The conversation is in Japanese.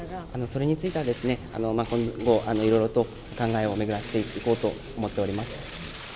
それについては、今後、いろいろと考えを巡らせていこうと思っております。